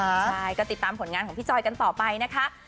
ใช่ก็ติดตามผลงานของพี่จอยกันต่อไปนะคะ